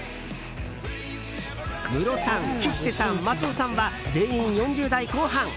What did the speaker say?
ムロさん、吉瀬さん、松尾さんは全員４０代後半。